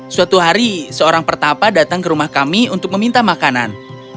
suatu hari seorang pertapa datang ke rumah kami untuk meminta makanan